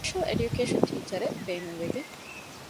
ސްޕެޝަލް އެޑިޔުކޭޝަން ޓީޗަރެއް ބޭނުންވެގެން